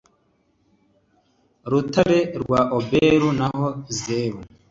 rutare rwa Orebu naho Zebu